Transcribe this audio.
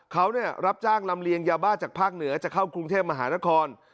เขารับจ้างลำเลียงยาบ้าจากภาคเหนือจะเข้ากรุงเทพมหานคร